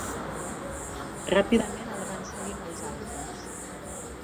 Ràpidament el van seguir molts altres.